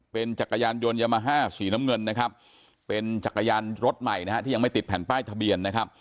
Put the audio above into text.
เป็นจักรยานยนต์ยามาฮ่าสีน้ำเงินเป็นจักรยานรถใหม่ที่ยังไม่ติดแผ่นป้ายทะเบียน